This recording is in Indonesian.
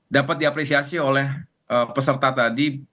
dapat diapresiasi oleh peserta tadi